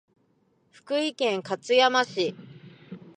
福井県勝山市